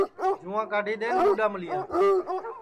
جُوںٚئا کاڈھی دؔئن مُڈؔا مِلیاں